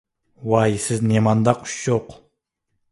ۋاي سىز نېمانداق ئۇششۇق!